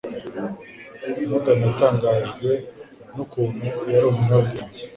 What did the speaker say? Morgan yatangajwe n'ukuntu yari umunyabwenge